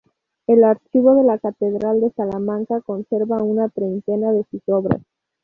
El archivo de la Catedral de Salamanca conserva una treintena de sus obras.